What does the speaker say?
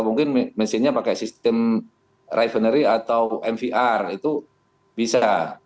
mungkin mesinnya pakai sistem revenary atau mvr itu bisa